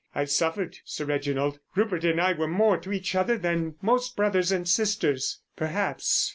I've suffered, Sir Reginald. Rupert and I were more to each other than most brothers and sisters, perhaps.